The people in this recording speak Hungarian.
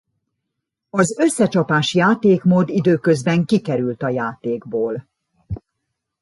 Az összecsapás játékmód időközben kikerült a játékból.